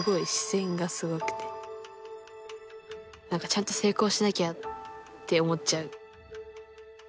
ちゃんと成功しなきゃって思っちゃう。